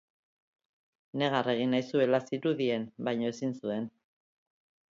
Negar egin nahi zuela zirudien, baina ezin zuen.